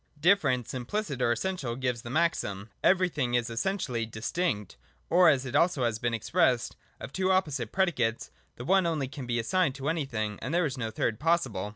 Difference implicit or essential gives the maxim, Everything is essentially distinct ; or, as it has also been expressed. Of two opposite predicates the one only can be assigned to anything, and there is no third possible.